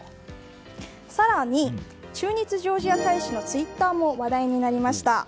更に、駐日ジョージア大使のツイッターも話題になりました。